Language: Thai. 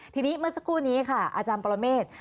ทีนี้เมื่อสักครู่นี้ค่ะอาจารย์ปรเมฆ